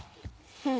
うん。